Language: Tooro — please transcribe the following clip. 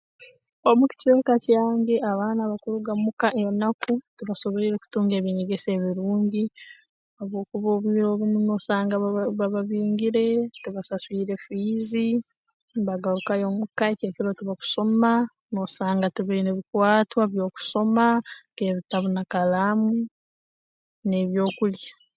Omu kicweka kyange abaana abakuruga mu ka enaku tibasoboire kutunga eby'enyegesa ebirungi habwokuba obwire obumu noosanga baba bababingire tibasaswire fiizi mbagarukayo muka eki ekiro tibakusoma noosanga tibaine bikwatwa by'okusoma nk'ebitabu na kalaamu n'ebyokulya